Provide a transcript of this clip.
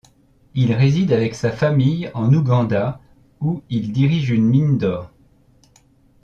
Il réside avec sa famille en Ouganda, où il dirige une mine d'or.